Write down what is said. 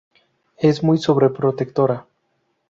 Es muy sobreprotectora.